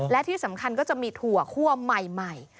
และที่สำคัญก็จะมีถั่วคั่วใหม่